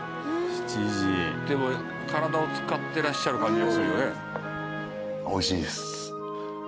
でも体を使ってらっしゃる感じがするよね。